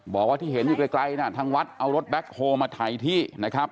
บอกว่าที่เห็นอยู่ไกลน่ะทางวัดเอารถแบ็คโฮลมาถ่ายที่นะครับ